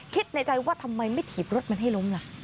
คิดในใจว่าทำไมไม่ถีบรถมันให้ล้มล่ะ